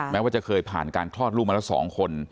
แม้ว่าจะเคยผ่านการคลอดลูกมาละ๒คน